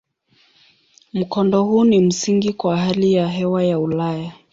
Mkondo huu ni msingi kwa hali ya hewa ya Ulaya.